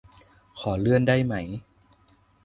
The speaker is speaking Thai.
ขอเลื่อนได้ไหม